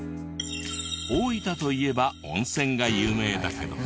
大分といえば温泉が有名だけど。